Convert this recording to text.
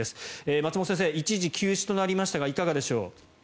松本先生一時休止となりましたがいかがでしょう。